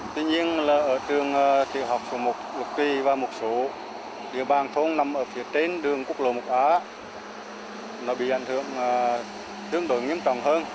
tuy nhiên là ở trường tiểu học số một lục kỳ và một số địa bàn thôn nằm ở phía trên đường quốc lộ một a nó bị ảnh hưởng tương đối nghiêm trọng hơn